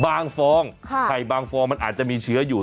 ฟองไข่บางฟองมันอาจจะมีเชื้ออยู่